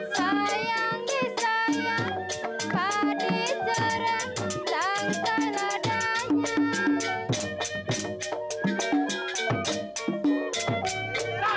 sayang di sayang padi cerai sangkai wadahnya